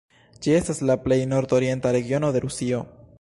Ĝi estas la plej nordorienta regiono de Rusio.